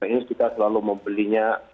ini kita selalu membelinya